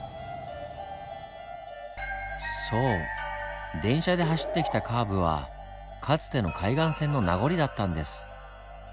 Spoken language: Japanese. そう電車で走ってきたカーブはかつての「海岸線の名残」だったんです。